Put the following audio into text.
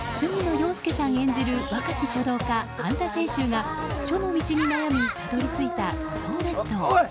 遥亮さん演じる若き書道家・半田清舟が書の道に悩みたどり着いた五島列島。